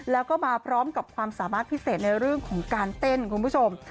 แล้วก็มาพร้อมกับความสามารถพิเศษในเรื่องของการเต้นคุณผู้ชม